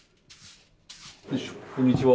こんにちは。